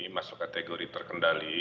masuk kategori terkendali